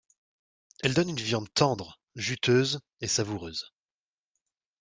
Elle donne une viande tendre, juteuse et savoureuse.